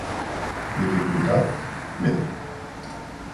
Dificultad: Media.